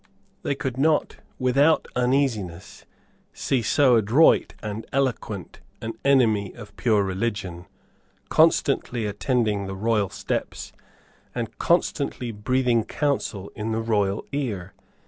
They could not without uneasiness see so adroit and eloquent an enemy of pure religion constantly attending the royal steps and constantly breathing counsel in the royal ear.